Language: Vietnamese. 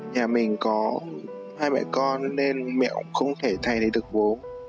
nhà mình có hai mẹ con nên mẹ cũng không thể thay thế được bố